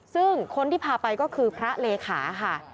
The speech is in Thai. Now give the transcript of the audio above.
ซึ่งคนที่พาไปก็คือพระเลขาค่ะ